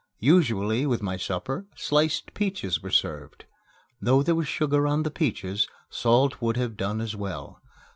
Usually, with my supper, sliced peaches were served. Though there was sugar on the peaches, salt would have done as well.